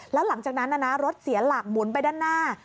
แล้วหลังจากนั้นรถเสียหลักหมุนไปด้านหน้า